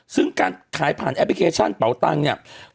ซึ่งการขายผ่านแอปพลิเคชันเป่าตังค์เนี่ย